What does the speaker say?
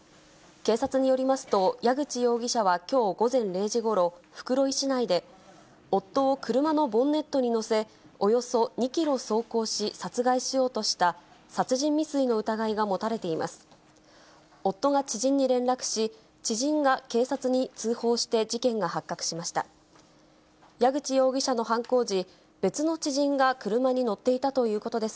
警察によりますと、谷口容疑者はきょう午前０時ごろ、袋井市内で、夫を車のボンネットに乗せ、およそ２キロ走行し、殺害しようとした殺人未遂の疑いが持たれています。